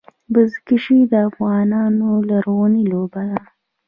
بزکشي د افغانانو لرغونې لوبه ده.